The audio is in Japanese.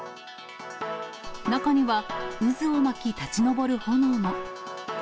中には、渦を巻き立ち上る炎も。